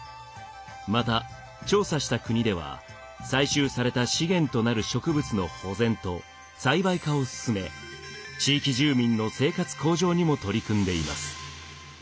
また調査した国では採集された資源となる植物の保全と栽培化を進め地域住民の生活向上にも取り組んでいます。